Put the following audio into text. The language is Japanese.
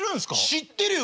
知ってるよ